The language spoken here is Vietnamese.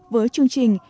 với chương trình